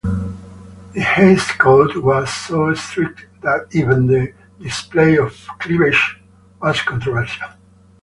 The Hays Code was so strict that even the display of cleavage was controversial.